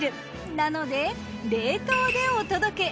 なので冷凍でお届け。